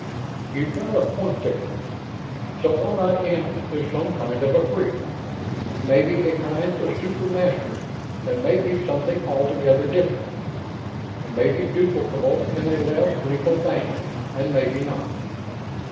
"You've got a point there.... So what I am is some kind of a freak. Maybe a kind of super Master and maybe something altogether different. Maybe duplicable in a less lethal fashion, and maybe not.